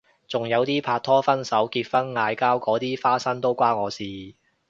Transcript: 仲有啲拍拖分手結婚嗌交嗰啲花生都關我事